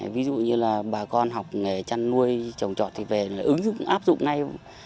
ví dụ như là bà con học nghề chăn nuôi trồng trọt thì về là ứng dụng áp dụng ngay